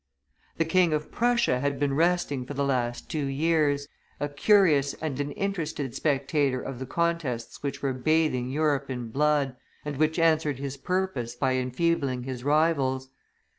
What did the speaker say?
The King of Prussia had been resting for the last two years, a curious and an interested spectator of the contests which were bathing Europe in blood, and which answered his purpose by enfeebling his rivals.